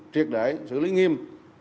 triệt để xử lý nghiêm